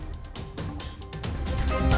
terima kasih pak